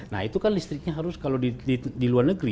nah itu kan listriknya harus kalau di luar negeri